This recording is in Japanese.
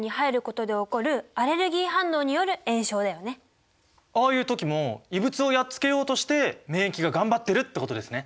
正確にはああいう時も異物をやっつけようとして免疫が頑張ってるってことですね？